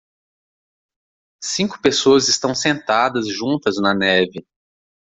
Cinco pessoas estão sentadas juntas na neve.